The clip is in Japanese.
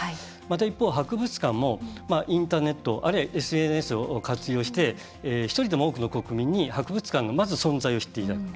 また、一方、博物館インターネットあるいはＳＮＳを活用して１人でも多くの国民に博物館の存在を知っていただく。